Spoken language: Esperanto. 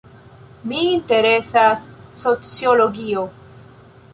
Min interesas sociologio.